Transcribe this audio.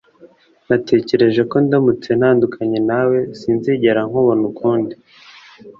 Natekereje ko ndamutse ntandukanye nawe, sinzigera nkubona ukundi.